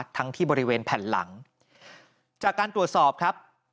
ทั้งที่บริเวณแผ่นหลังจากการตรวจสอบครับ